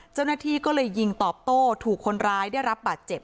เจ้าหน้าที่ก็เลยยิงตอบโต้ถูกคนร้ายได้รับบาดเจ็บ